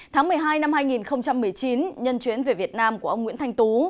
tháng một mươi hai năm hai nghìn một mươi chín nhân chuyến về việt nam của ông nguyễn thanh tú